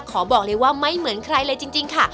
ขอบอกเลยว่าไม่เหมือนใครเลยจริงค่ะ